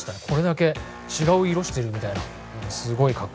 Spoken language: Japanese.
これだけ違う色してるみたいな。